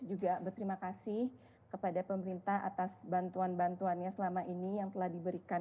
juga berterima kasih kepada pemerintah atas bantuan bantuannya selama ini yang telah diberikan